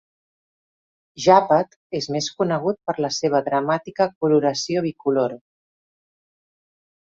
Jàpet és més conegut per la seva dramàtica coloració "bicolor".